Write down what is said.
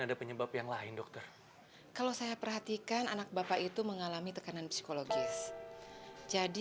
ada penyebab yang lain dokter kalau saya perhatikan anak bapak itu mengalami tekanan psikologis jadi